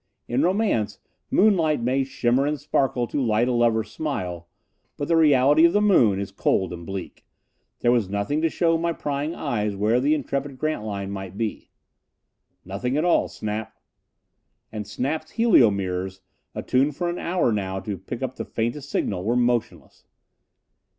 In romance, moonlight may shimmer and sparkle to light a lover's smile; but the reality of the moon is cold and bleak. There was nothing to show my prying eyes where the intrepid Grantline might be. "Nothing at all, Snap." And Snap's helio mirrors, attuned for an hour now to pick up the faintest signal, were motionless.